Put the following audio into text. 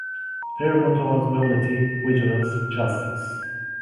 Their motto was Mobility, Vigilance, Justice.